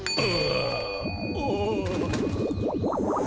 お。